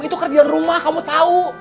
itu kerjaan rumah kamu tahu